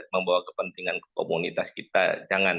mendingan komunitas kita jangan